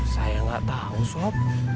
saya gak tau sob